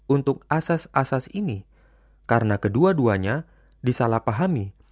untuk asas asas ini karena kedua duanya disalahpahami